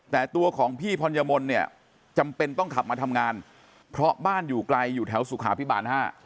แต่ตัวของพี่พรยมนต์เนี่ยจำเป็นต้องขับมาทำงานเพราะบ้านอยู่ไกลอยู่แถวสุขาพิบาล๕